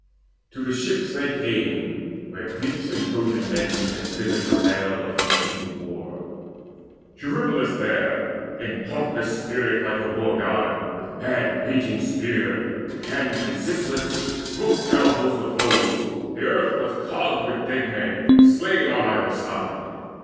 To the ships they came, where Greeks and Trojan men Had bitter travail of rekindled war. Eurypylus there, in dauntless spirit like The War god, with mad raging spear and hands Resistless, smote down hosts of foes: the earth Was clogged with dead men slain on either side.